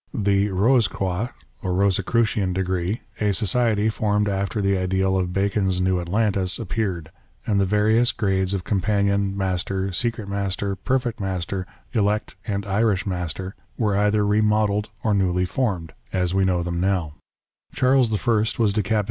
The Piosecroix, Rosicrucian degree, a society formed after the ideal of Bacon's New Atlantis, appeared ; and the various grades of companion, master, secret master, perfect master, elect, and Irish master, were either remodelled or newly formed, as we know them 24 WAR OF ANTICHRIST WITH THE CHURCH.